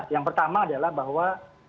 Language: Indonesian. yang pertama adalah bahwa